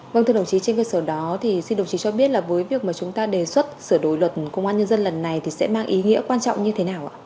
vâng thưa đồng chí trên cơ sở đó thì xin đồng chí cho biết là với việc mà chúng ta đề xuất sửa đổi luật công an nhân dân lần này thì sẽ mang ý nghĩa quan trọng như thế nào ạ